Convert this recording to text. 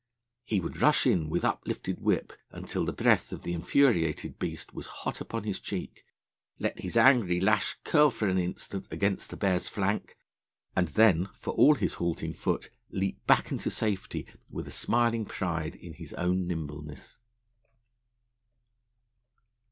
He would rush in with uplifted whip until the breath of the infuriated beast was hot upon his cheek, let his angry lash curl for an instant across the bear's flank, and then, for all his halting foot, leap back into safety with a smiling pride in his own nimbleness.